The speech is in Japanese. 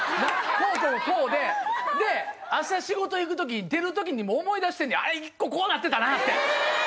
こうこうこうで朝仕事行く時出る時にもう思い出してんねん１個こうなってたなってえ！